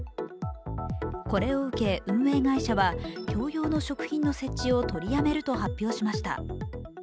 これを受け、運営会社は共用の食品の設置を取りやめると発表しました。